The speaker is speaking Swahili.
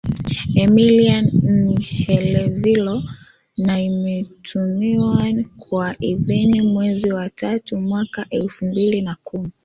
Emília Nhalevilo na imetumiwa kwa idhini Mwezi wa tatu mwaka elfu mbili na kumi